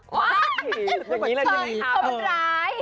อย่างนี้แหละที